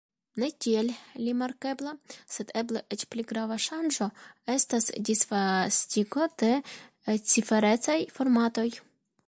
Ne tiel rimarkebla, sed eble eĉ pli grava ŝanĝo estas disvastigo de ciferecaj formatoj.